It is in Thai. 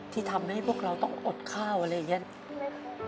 ที่ทำให้พวกเราต้องอดข้าวอะไรอย่างนี้